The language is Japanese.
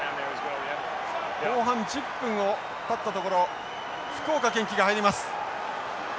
後半１０分をたったところ福岡堅樹が入ります。